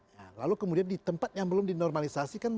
ya lalu kemudian di tempat yang belum dinormalisasikan